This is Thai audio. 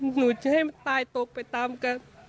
หนูจะให้มันตายตกไปตามกัน